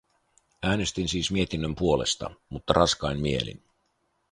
Äänestin siis mietinnön puolesta, mutta raskain mielin.